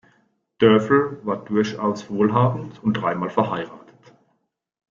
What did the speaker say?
Dörffel war durchaus wohlhabend und dreimal verheiratet.